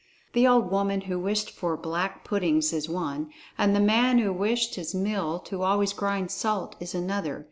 The old woman who wished for black puddings is one, and the man who wished his mill to always grind salt is another.